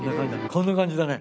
こんな感じだね。